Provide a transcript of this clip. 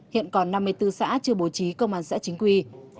hiện còn năm mươi bốn xã chưa bố trí công an xã chính quy